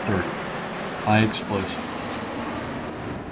HIGH EXPLOSIVES.